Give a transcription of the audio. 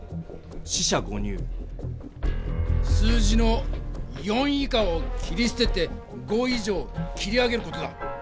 数字の４以下を切り捨てて５以上を切り上げる事だ。